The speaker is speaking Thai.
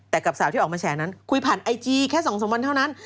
แต่กับสาวที่ออกมาแฉนั้นคุยผ่านไอจีแค่๒๓วันเท่านั้น